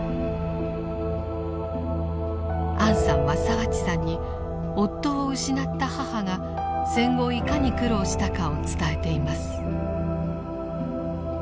アンさんは澤地さんに夫を失った母が戦後いかに苦労したかを伝えています。